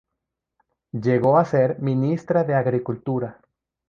Llegó a ser ministra de agricultura.